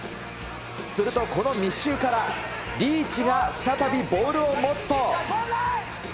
するとこの密集から、リーチが再びボールを持つと。